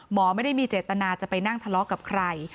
หมอไม่ได้มีเจตนาจะไปนั่งทะเลาะกับใคร